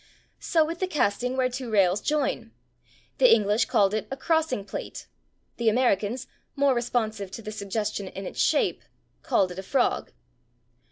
So with the casting where two rails join. The English called it a /crossing plate/. The Americans, more responsive to the suggestion in its shape, called it a /frog